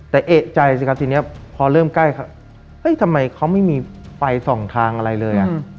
แต่เอกใจสิครับทีนี้พอเริ่มใกล้ทำไมเขาไม่มีไฟสองทางอะไรเลย